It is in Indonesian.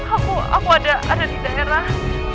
aku aku ada di daerah